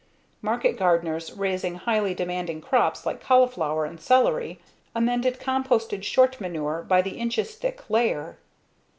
Market gardeners raising highly demanding crops like cauliflower and celery amended composted short manure by the inches thick layer.